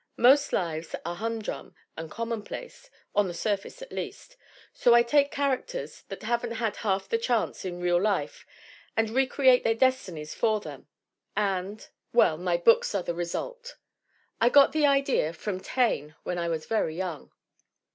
Most lives are humdrum and commonplace, on the surface at least. So I take characters that haven't had half a chance in real life and re create their destinies for them and well, my books are the result. I got the idea from Taine when I was very young."